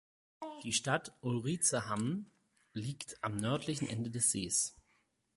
Die Stadt Ulricehamn liegt am nördlichen Ende des Sees.